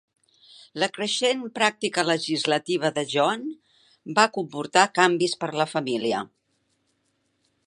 La creixent pràctica legislativa de John va comportar canvis per a la família.